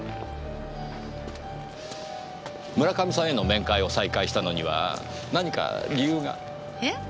村上さんへの面会を再開したのには何か理由が？えっ？